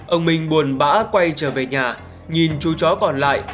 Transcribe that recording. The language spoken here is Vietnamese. ông minh buồn bã quay trở về nhà nhìn chú chó còn lại